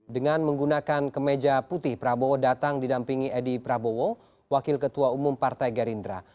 dengan menggunakan kemeja putih prabowo datang didampingi edi prabowo wakil ketua umum partai gerindra